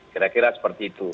kira kira seperti itu